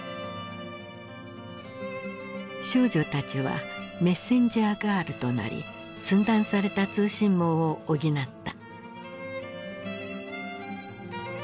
少女たちはメッセンジャーガールとなり寸断された通信網を補った。